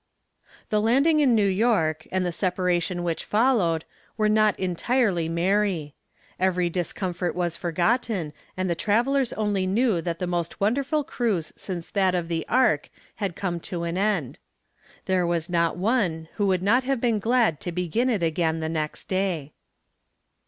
The landing in New York and the separation which followed were not entirely merry. Every discomfort was forgotten and the travelers only knew that the most wonderful cruise since that of the ark had come to an end. There was not one who would not have been glad to begin it again the next day.